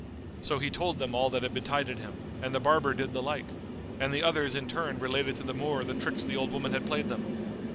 So he told them all that had betided him and the barber did the like; and the others in turn related to the Moor the tricks the old woman had played them.